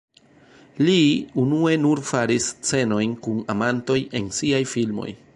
Lee unue nur faris scenojn kun amantoj en siaj filmoj.